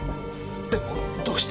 でもどうして？